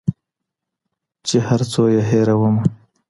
چي هر څو یې هېرومه